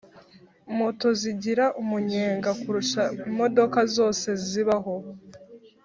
Moto zigira umunyenga kurusha imodoka zose zibaho